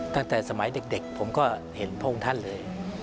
ตั้งแต่สมัยเด็กผมก็เห็นพระองค์ท่านเลย